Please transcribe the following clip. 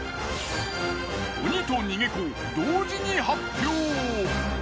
鬼と逃げ子同時に発表！